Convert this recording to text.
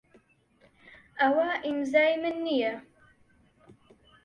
ئەوە ئیمزای من نییە.